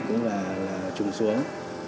cũng là trùng xuống